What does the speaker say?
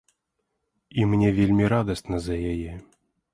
І мне вельмі радасна за яе.